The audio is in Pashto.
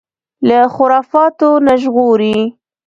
له خرافاتو نه ژغوري